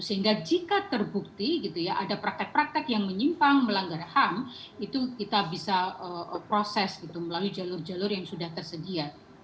sehingga jika terbukti gitu ya ada praktek praktek yang menyimpang melanggar ham itu kita bisa proses gitu melalui jalur jalur yang sudah tersedia